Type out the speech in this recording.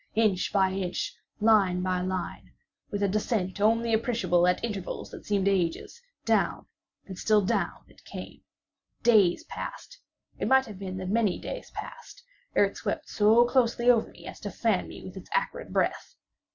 Inch by inch—line by line—with a descent only appreciable at intervals that seemed ages—down and still down it came! Days passed—it might have been that many days passed—ere it swept so closely over me as to fan me with its acrid breath.